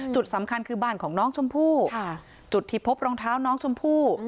จุดสำคัญคือบ้านของน้องชมพู่จุดที่พบรองเท้าน้องชมพู่